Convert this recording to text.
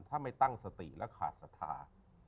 ถ้าไม่ตั้งสติแล้วขาดสถา